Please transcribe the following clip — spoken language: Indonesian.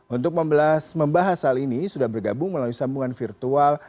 untuk membahas hal ini sudah bergabung melalui sambungan virtual